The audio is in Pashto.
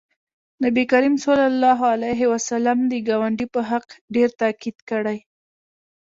نبي کریم صلی الله علیه وسلم د ګاونډي په حق ډېر تاکید کړی